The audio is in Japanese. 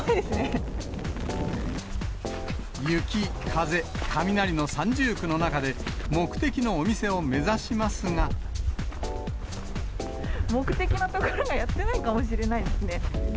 雪、風、雷の三重苦の中で、目的の所がやってないかもしれないですね。